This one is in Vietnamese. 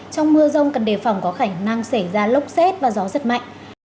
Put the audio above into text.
trong mưa rông cần đề phòng có khả năng xảy ra lốc xét và gió rất mạnh